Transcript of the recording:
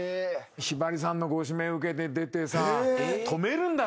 ひばりさんのご指名受けて出てさ。